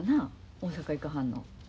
大阪行かはんの。